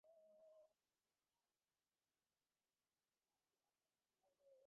প্রথম তিন ম্যাচের তিনটিতেই হেরে গতবারের রানার্সআপদের বিদায়ঘণ্টা বেজে গেছে আগেই।